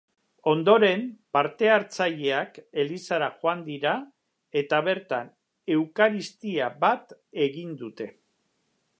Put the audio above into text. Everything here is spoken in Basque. Ondoren, parte-hartzaileak elizara joan dira eta bertan eukaristia bat egin dute.